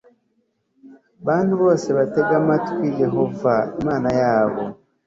bantu bose batega amatwi Yehova Imana yabo